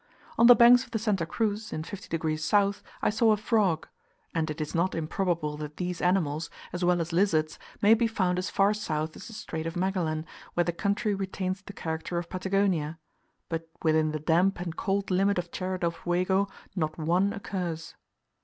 On the banks of the Santa Cruz, in 50 degs. south, I saw a frog; and it is not improbable that these animals, as well as lizards, may be found as far south as the Strait of Magellan, where the country retains the character of Patagonia; but within the damp and cold limit of Tierra del Fuego not one occurs.